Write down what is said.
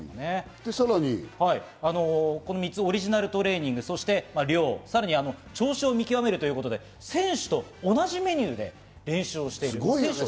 さらにオリジナルトレーニング、また調子を見極めるということで、選手と同じメニューで練習している。